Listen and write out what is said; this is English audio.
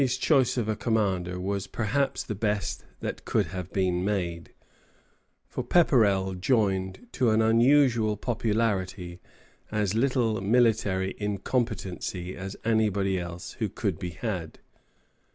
"] Shirley's choice of a commander was perhaps the best that could have been made; for Pepperrell joined to an unusual popularity as little military incompetency as anybody else who could be had.